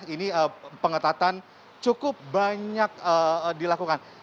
ini pengetatan cukup banyak dilakukan